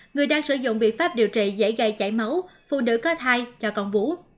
người đang sử dụng biện pháp điều trị dễ gây chảy máu phụ nữ có thai cho con vú